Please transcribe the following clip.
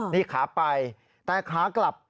นี่ขาไปแต่ขากลับ